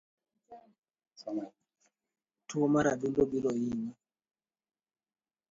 Tuo mar adundo biro hinyi